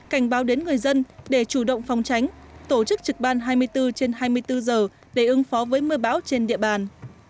cảnh báo đến người dân để chủ động phòng tránh tổ chức trực ban hai mươi bốn trên hai mươi bốn giờ để ứng phó với mưa bão trên địa bàn